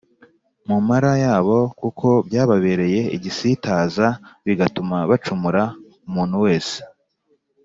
mu mara yabo kuko byababereye igisitaza bigatuma bacumura Umuntu wese